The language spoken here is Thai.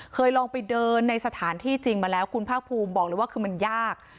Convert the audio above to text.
เคยลองไปเดินในสถานที่จริงมาแล้วคุณภาคภูมิบอกเลยว่าคือมันยาก